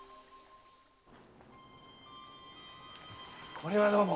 これはどうも。